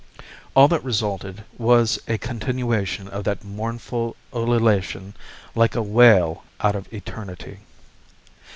All that resulted was a continuation of that mournful ululation like a wail out of eternity.